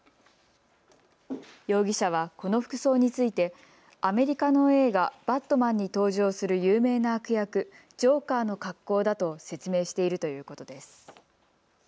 容疑者はこの服装についてアメリカの映画、バットマンに登場する有名な悪役、ジョーカーの格好だと説明しているということです。